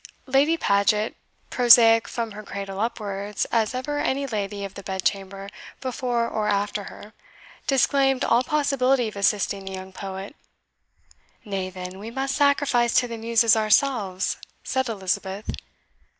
Lady Paget, prosaic from her cradle upwards as ever any lady of the bedchamber before or after her, disclaimed all possibility of assisting the young poet. "Nay, then, we must sacrifice to the Muses ourselves," said Elizabeth.